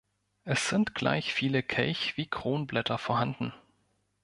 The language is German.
Es sind gleich viele Kelch- wie Kronblätter vorhanden.